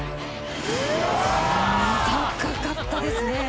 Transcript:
高かったですね。